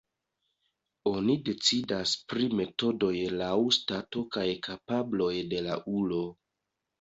Oni decidas pri metodoj laŭ stato kaj kapabloj de la ulo.